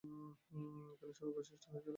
এখানেই সৌভাগ্য সৃষ্টি হয়েছিল।